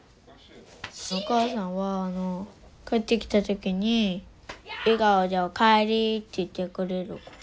お母さんは帰ってきた時に笑顔で「おかえり」って言ってくれる。